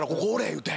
言うて。